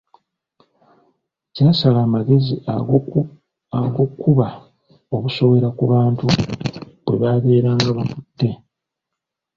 Kyasala amagezi ag’okubba obusowera ku bantu bwebaabeeranga bakutte.